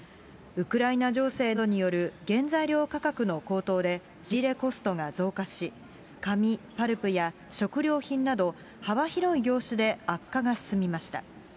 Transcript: ウクライナ情勢などによる原材料価格の高騰で、仕入れコストが増加し、紙・パルプや食料品など、幅広い業種で悪化が進みました。